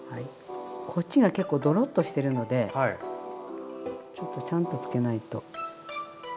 こっちが結構ドロッとしてるのでちょっとちゃんとつけないと。